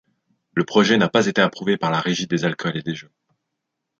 Le projet n'a pas été approuvé par la Régie des alcools et des jeux.